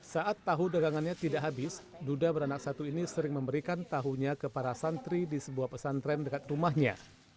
saat tahu dagangannya tidak habis duda beranak satu ini sering memberikan tahunya ke para santri di sebuah pesantren dekat rumahnya